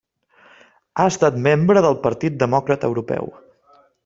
Ha estat membre del Partit Demòcrata Europeu.